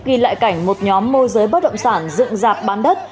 ghi lại cảnh một nhóm môi giới bất động sản dựng dạp bán đất